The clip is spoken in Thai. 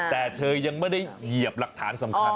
แต่เธอยังไม่ได้เหยียบหลักฐานสำคัญ